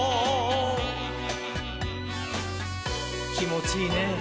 きもちいいねぇ。